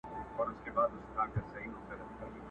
په لامبو کي یې ځان نه وو آزمېیلی!.